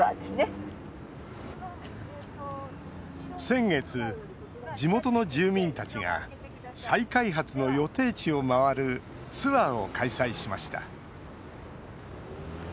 先月、地元の住民たちが再開発の予定地を回るツアーを開催しました。